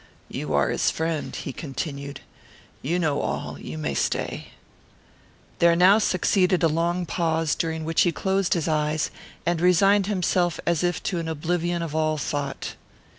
"You are his friend," he continued. "You know all. You may stay." There now succeeded a long pause, during which he closed his eyes, and resigned himself as if to an oblivion of all thought.